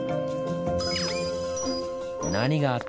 何があったのか？